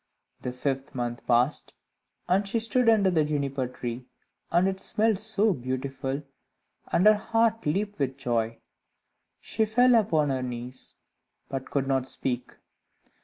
The fifth month passed, and she stood under the Juniper tree, and it smelt so beautiful, and her heart leaped with joy. She fell upon her knees, but could not speak.